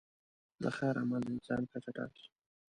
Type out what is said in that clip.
د خیر عمل د انسان کچه ټاکي.